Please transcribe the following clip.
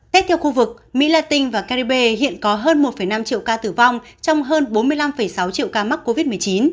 tiếp theo khu vực mỹ latin và caribe hiện có hơn một năm triệu ca tử vong trong hơn bốn mươi năm sáu triệu ca mắc covid một mươi chín